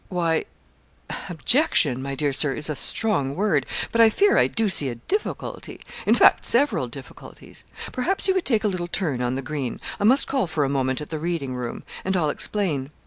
Why, objection, my dear Sir, is a strong word; but I fear I do see a difficulty in fact, several difficulties. Perhaps you would take a little turn on the green I must call for a moment at the reading room and I'll explain.